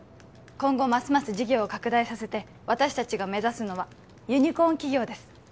今後ますます事業を拡大させて私達が目指すのはユニコーン企業です